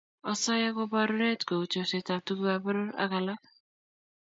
osoya koborunet kou chorsetab tugukab poror ak alak